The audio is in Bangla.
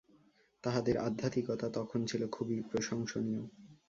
তাঁহাদের আধ্যাত্মিকতা তখন ছিল খুবই প্রশংসনীয়।